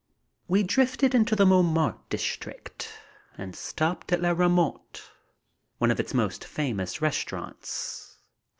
We drifted into the Montmartre district and stopped in Le Rate Mort, one of its most famous restaurants.